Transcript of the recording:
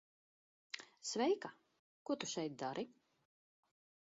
Sveika. Ko tu šeit dari?